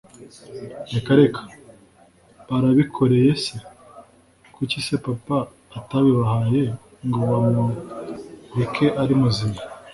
reka reka! barabikoreye se, kuki se papa atabibahaye ngo bamureke ari muzima!